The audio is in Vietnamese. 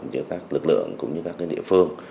giữa các lực lượng cũng như các địa phương